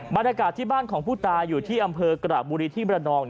บรรยากาศที่บ้านของผู้ตายอยู่ที่อำเภอกระบุรีที่มรนอง